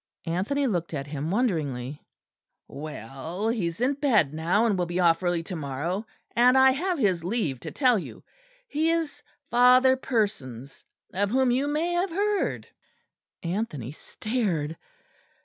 Anthony looked at him wonderingly. "Well, he is in bed now; and will be off early to morrow; and I have his leave to tell you. He is Father Persons, of whom you may have heard." Anthony stared.